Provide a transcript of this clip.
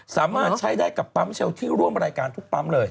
สามารถใช้ได้กับปั๊มเชลที่ร่วมรายการทุกปั๊มเลย